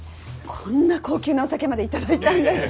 こんな高級なお酒まで頂いたんだし。